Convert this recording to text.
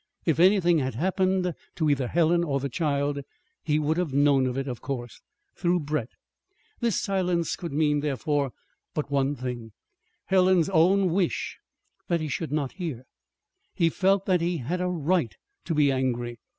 If anything had happened to either Helen or the child, he would have known of it, of course, through Brett. This silence could mean, therefore, but one thing: Helen's own wish that he should not hear. He felt that he had a right to be angry.